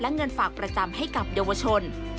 และเงินฝากประจำให้กับเยาวชน